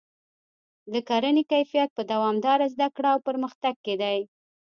د کرنې کیفیت په دوامداره زده کړه او پرمختګ کې دی.